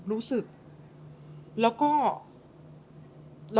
รู้สึกแล้วก็นิ่งแบบ